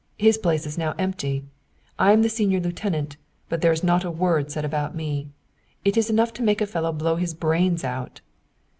His place is now empty. I am the senior lieutenant, but there's not a word said about me. It is enough to make a fellow blow his brains out!"